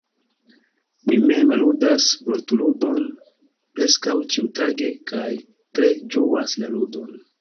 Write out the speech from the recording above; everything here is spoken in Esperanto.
Mi mem ludas Vortludon preskaŭ ĉiutage kaj tre ĝuas la ludon.